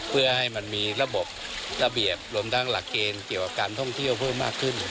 เพื่อให้มันมีระบบระเบียบรวมทั้งหลักเกณฑ์เกี่ยวกับการท่องเที่ยวเพิ่มมากขึ้น